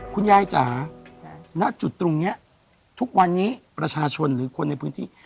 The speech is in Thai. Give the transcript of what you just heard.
จ๋าณจุดตรงนี้ทุกวันนี้ประชาชนหรือคนในพื้นที่